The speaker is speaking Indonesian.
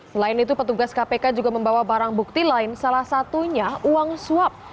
selain itu petugas kpk juga membawa barang bukti lain salah satunya uang suap